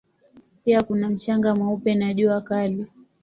Pia kuna mchanga mweupe na jua kali.